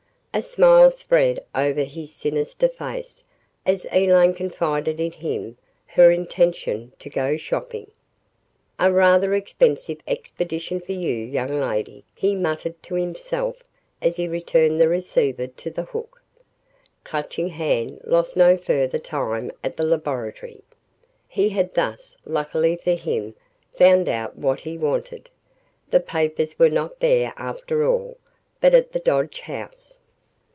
A smile spread over his sinister face as Elaine confided in him her intention to go shopping. "A rather expensive expedition for you, young lady," he muttered to himself as he returned the receiver to the hook. Clutching Hand lost no further time at the laboratory. He had thus, luckily for him, found out what he wanted. The papers were not there after all, but at the Dodge house.